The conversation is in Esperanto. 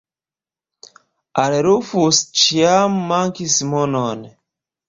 Al Rufus ĉiam mankis mono.